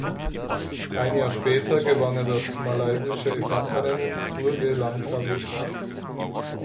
Ein Jahr später gewann er das malaysische Etappenrennen Tour de Langkawi.